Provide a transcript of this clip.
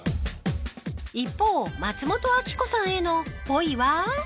一方、松本明子さんへのっぽいは？